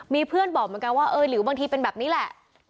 มีเพื่อนบอกเหมือนกันว่าเออหรือบางทีเป็นแบบนี้แหละ